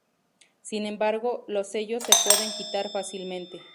Sin embargo, los sellos se pueden quitar fácilmente.